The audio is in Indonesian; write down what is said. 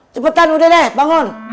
cepetan udah deh bangun